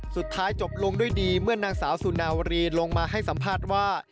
สุดท้ายจบลงด้วยดีเมื่อนางสาวสุนาวรีลงมาให้สัมภาษณ์ว่า